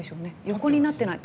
横になってない。